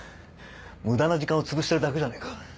無駄な時間をつぶしてるだけじゃないか。